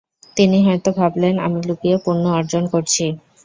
তিনি হয়তো ভাবলেন, আমি লুকিয়ে পুণ্য অর্জন করছি।